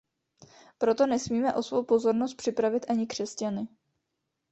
Proto nesmíme o svou pozornost připravit ani křesťany.